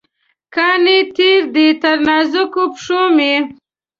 کاڼې تېره دي، تر نازکو پښومې